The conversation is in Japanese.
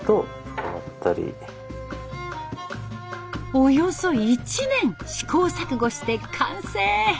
およそ１年試行錯誤して完成。